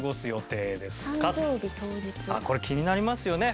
これ気になりますよね